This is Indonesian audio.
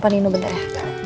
aku telfon nino bentar ya